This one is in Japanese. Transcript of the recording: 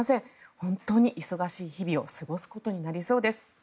本当に忙しい日々を過ごすことになりそうです。